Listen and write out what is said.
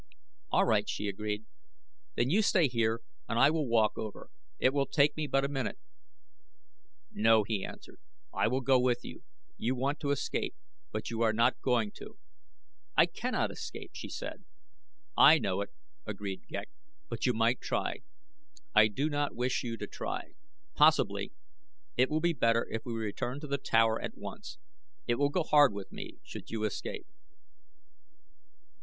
"All right," she agreed; "then you stay here and I will walk over. It will take me but a minute." "No," he answered. "I will go with you. You want to escape; but you are not going to." "I cannot escape," she said. "I know it," agreed Ghek; "but you might try. I do not wish you to try. Possibly it will be better if we return to the tower at once. It would go hard with me should you escape."